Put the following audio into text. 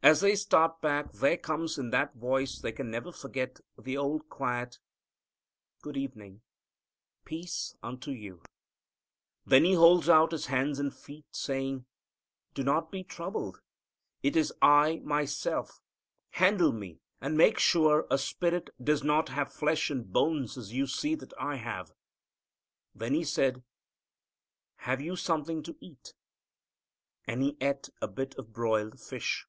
As they start back, there comes in that voice they can never forget, the old quiet "Good evening." "Peace unto you." Then He holds out His hands and feet, saying, "Do not be troubled it is I Myself handle Me, and make sure. A spirit does not have flesh and bones as you see that I have." Then He said, "Have you something to eat?" and He ate a bit of broiled fish.